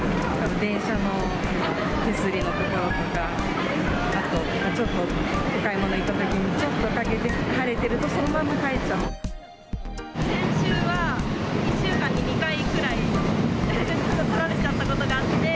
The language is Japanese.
電車の手すりの所とか、あとちょっと買い物行ったときに、ちょっとかけて、晴れてるとその先週は、１週間に２回くらいとられちゃったことがあって。